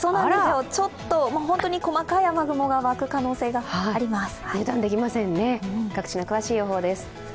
ちょっと、細かい雨雲が湧く可能性あります。